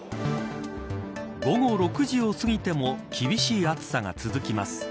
午後６時を過ぎても厳しい暑さが続きます。